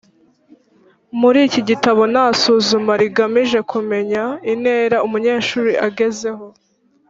Muri iki gitabo nta suzuma rigamije kumenya intera umunyeshuri agezeho